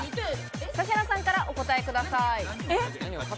指原さんからお答えください。